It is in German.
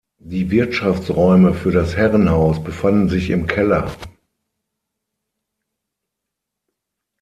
Die Wirtschaftsräume für das Herrenhaus befanden sich im Keller.